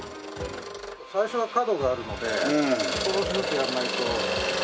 最初は角があるのでそれをずっとやらないと。